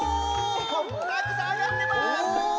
たくさんあがってます。